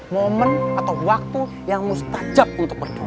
momen atau waktu yang mustajab untuk berdoa